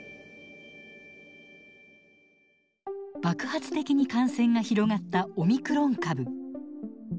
爆発的に感染が広がったオミクロン株。